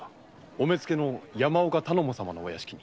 お目付の山岡様のお屋敷に。